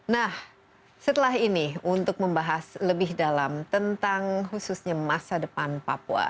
nah setelah ini untuk membahas lebih dalam tentang khususnya masa depan papua